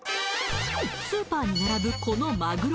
スーパーに並ぶこのマグロ